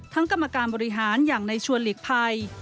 ทางกรรมการบริหารอย่างในน้อยชวนเหล็กภัย